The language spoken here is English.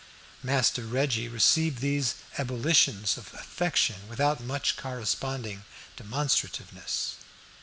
Master Reggie received these ebullitions of affection without much corresponding demonstrativeness.